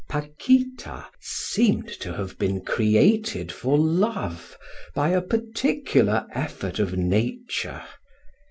Paquita seemed to have been created for love by a particular effort of nature.